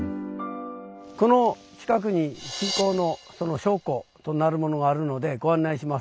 この近くに信仰の証拠となるものがあるのでご案内します。